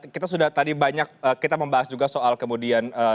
kita sudah tadi banyak kita membahas juga soal kemudian